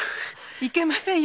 いけませんよ